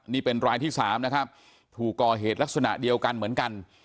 นี่เป็นรายที่๓นะครับถูกก่อเหตุลักษณะเดียวกันเหมือนกัน